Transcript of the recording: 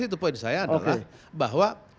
itu poin saya adalah bahwa